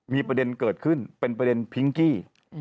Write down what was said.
มีประเด็นเกิดขึ้นเป็นประเด็นพิงกี้